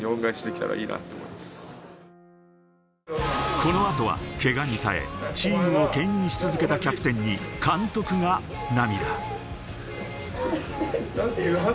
この後はけがに耐え、チームをけん引し続けたキャプテンに監督が涙。